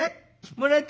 「もらった？